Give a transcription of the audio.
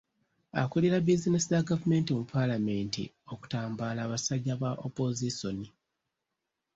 Akulira bbizineesi za gavumenti mu Paalamenti okutambaala abasajja ba Opozisoni.